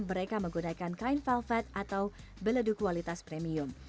mereka menggunakan kain velvet atau beledu kualitas premium